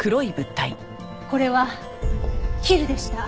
これはヒルでした。